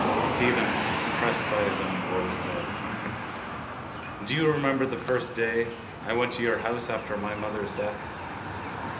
Stephen, depressed by his own voice, said: —Do you remember the first day I went to your house after my mother's death?